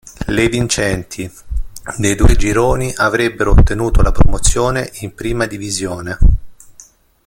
Le vincenti dei due gironi avrebbero ottenuto la promozione in Prima Divisione.